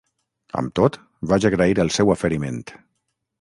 Amb tot, vaig agrair el seu oferiment.